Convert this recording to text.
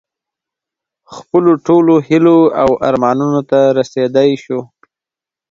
خپلو ټولو هیلو او ارمانونو ته رسېدی شو.